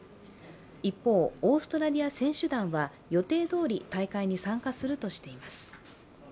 一方、オーストラリア選手団は予定どおり大会に参加するとしています。